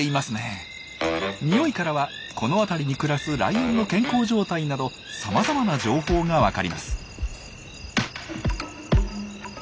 匂いからはこの辺りに暮らすライオンの健康状態などさまざまな情報が分かります。